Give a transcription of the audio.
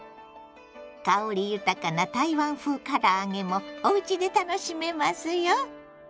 香り豊かな台湾風から揚げもおうちで楽しめますよ。